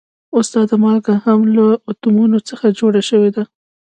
استاده مالګه هم له اتومونو څخه جوړه شوې ده